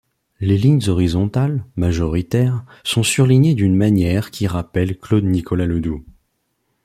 Les lignes horizontales, majoritaires, sont surlignées d’une manière qui rappelle Claude-Nicolas Ledoux.